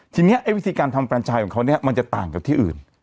ทีนี้ไอ้วิธีการทำแฟนชายของเขาเนี่ยมันจะต่างกับที่อื่น